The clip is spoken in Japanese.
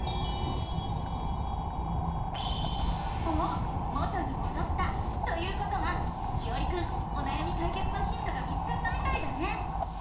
おっ元にもどったということはいおりくんおなやみかいけつのヒントが見つかったみたいだね！